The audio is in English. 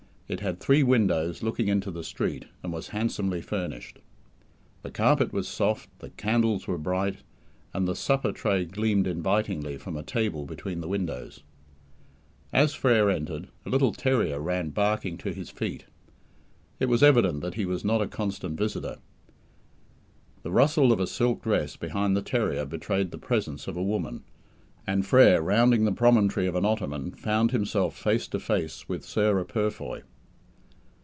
It had three windows looking into the street, and was handsomely furnished. The carpet was soft, the candles were bright, and the supper tray gleamed invitingly from a table between the windows. As Frere entered, a little terrier ran barking to his feet. It was evident that he was not a constant visitor. The rustle of a silk dress behind the terrier betrayed the presence of a woman; and Frere, rounding the promontory of an ottoman, found himself face to face with Sarah Purfoy.